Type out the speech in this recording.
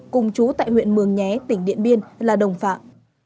cùng chú tại huyện mường nhé tỉnh điện biên là đồng phạm